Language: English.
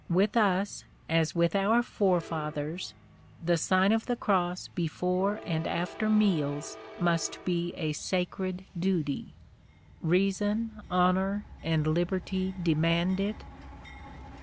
With us, as with our forefathers, the Sign of the Cross before and after meals must be a sacred duty. Reason, honor, and liberty demand it